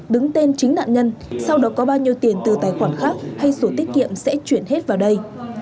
đứng tên chính nạn nhân sau đó có bao nhiêu tiền từ tài khoản khác hay sổ tiết kiệm sẽ chuyển hết vào đây